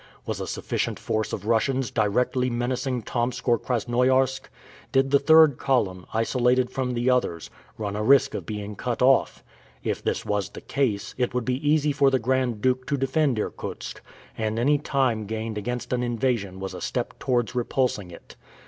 Was a sufficient force of Russians directly menacing Tomsk or Krasnoiarsk? Did the third column, isolated from the others, run a risk of being cut off? If this was the case, it would be easy for the Grand Duke to defend Irkutsk, and any time gained against an invasion was a step towards repulsing it.